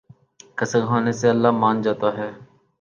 قسم کھانے سے اللہ مان جاتا ہے